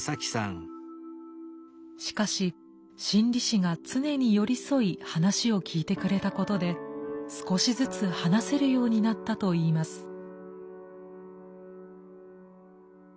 しかし心理師が常に寄り添い話を聞いてくれたことで少しずつ話せるようになったといいます。